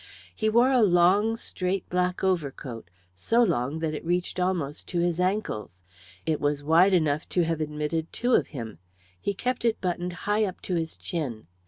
He wore a long, straight black overcoat, so long that it reached almost to his ankles. It was wide enough to have admitted two of him. He kept it buttoned high up to his chin.